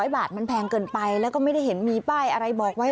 ๕๐๐บาทมันแพงเกินไปแล้วไม่ได้เห็นมีใบบอกไว้